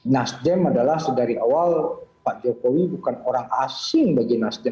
nasdem adalah dari awal pak jokowi bukan orang asing bagi nasdem